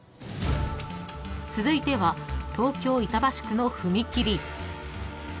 ［続いては東京板橋区の］